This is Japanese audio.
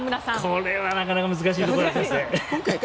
これはなかなか難しいと思いますね。